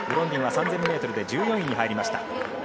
ディンは３０００ｍで１４位に入りました。